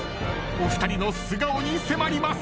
お二人の素顔に迫ります。